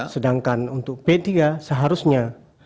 sedangkan untuk p tiga seharusnya